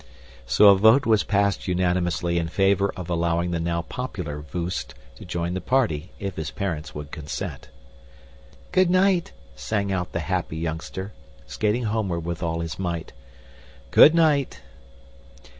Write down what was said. So a vote was passed unanimously in favor of allowing the now popular Voost to join the party, if his parents would consent. "Good night!" sang out the happy youngster, skating homeward with all his might. "Good night!"